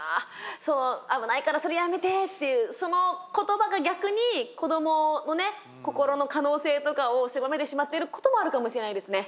そう危ないからそれやめてっていうその言葉が逆に子どものね心の可能性とかを狭めてしまっていることもあるかもしれないですね。